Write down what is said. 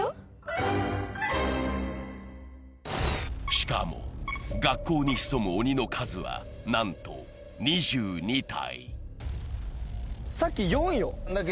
しかも、学校に潜む鬼の数はなんと２２体。